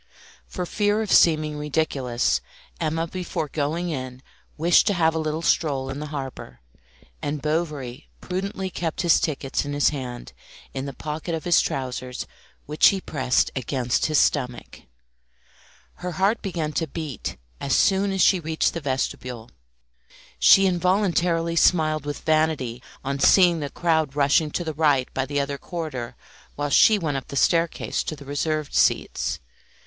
For fear of seeming ridiculous, Emma before going in wished to have a little stroll in the harbour, and Bovary prudently kept his tickets in his hand, in the pocket of his trousers, which he pressed against his stomach. Her heart began to beat as soon as she reached the vestibule. She involuntarily smiled with vanity on seeing the crowd rushing to the right by the other corridor while she went up the staircase to the reserved seats.